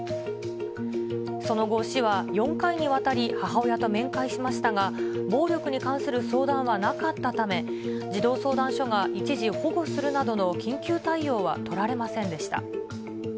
その後、市は４回にわたり母親と面会しましたが、暴力に関する相談はなかったため、児童相談所が一時保護するなどの緊急対応は取られませんでした。